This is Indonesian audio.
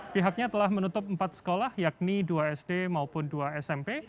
pihaknya telah menutup empat sekolah yakni dua sd maupun dua smp